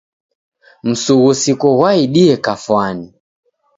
Msughusiko ghwaidie kafwani.